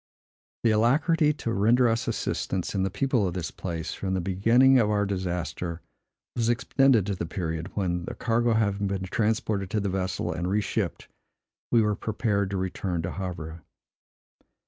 The alacrity to render us assistance, in the people of this place, from the beginning of our disaster, was extended to the period, when, the cargo having been transported to the vessel and re shipped, we were prepared to return to Havre.